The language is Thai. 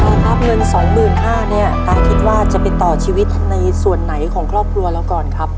ครับเงิน๒๕๐๐เนี่ยตาคิดว่าจะไปต่อชีวิตในส่วนไหนของครอบครัวเราก่อนครับ